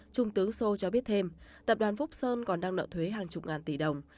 trung tướng sô cho biết thêm tập đoàn phúc sơn còn đang nợ thuế hàng chục ngàn tỷ đồng